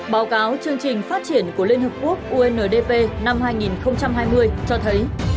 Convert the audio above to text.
báo cáo chương trình phát triển của liên hợp quốc undp năm hai nghìn hai mươi cho thấy